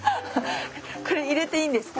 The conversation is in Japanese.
これ入れていいんですか？